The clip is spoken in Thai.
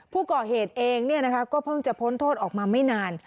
ผู้ก่อเหตุเองก็เพิ่งจะพ้นโทษออกมาไม่นาน